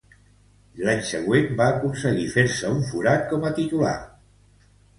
L'any següent, va aconseguir fer-se un forat com a titular.